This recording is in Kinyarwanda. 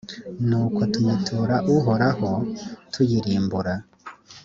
nuko tuyitura uhoraho tuyirimbura